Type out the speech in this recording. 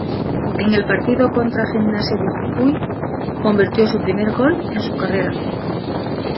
En el partido contra Gimnasia de Jujuy convirtió su primer gol en su carrera.